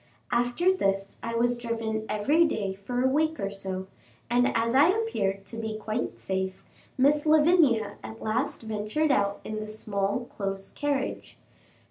After this I was driven every day for a week or so, and as I appeared to be quite safe, Miss Lavinia at last ventured out in the small close carriage.